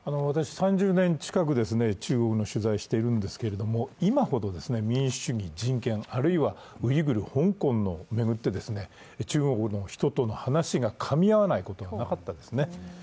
私、３０年近く中国の取材をしているんですけれども、今ほど民主主義、人権、あるいはウイグル、香港に関して中国の人との話がかみ合わないことはなかったですね。